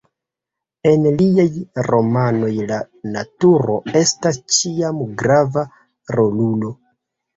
En liaj romanoj la naturo estas ĉiam grava rolulo.